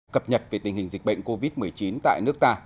cập nhật về tình hình dịch bệnh covid một mươi chín tại nước ta